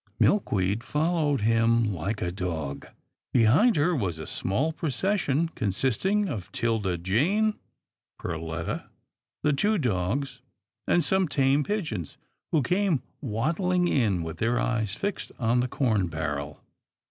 Milkweed followed him like a dog, and behind her was a small procession consisting of 'Tilda Jane, Perletta, the two dogs, and some tame pigeons who came waddling in with their eyes fixed on the corn barrel.